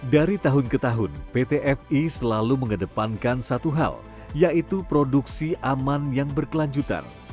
dari tahun ke tahun pt fi selalu mengedepankan satu hal yaitu produksi aman yang berkelanjutan